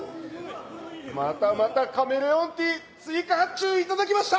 またまたカメレオンティー追加発注頂きました！